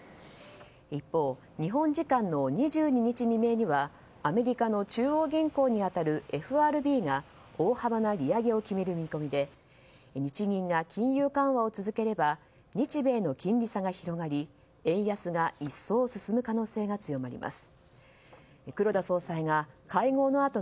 一方、日本時間の２２日未明にはアメリカの中央銀行に当たるＦＲＢが大幅な利上げを決める見込みで日銀が金融緩和を続ければ日米の金利差が広がり円安が一層進む可能性が強まります。